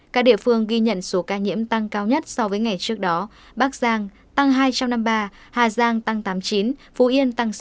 các địa phương ghi nhận số ca nhiễm tăng cao nhất so với ngày trước đó bắc giang tăng hai trăm năm mươi ba hà giang tăng tám mươi chín phú yên tăng sáu